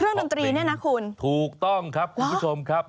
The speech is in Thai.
เครื่องดนตรีนี่นะคุณถูกต้องครับคุณผู้ชมครับเหรอ